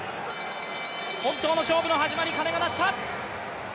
本当の勝負の始まり、鐘が鳴った。